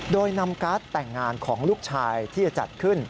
โดยนำการ์ดแต่งงานของลูกชายที่จะจัดขึ้น